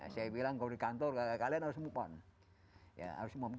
saya bilang kalau di kantor kalian harus move on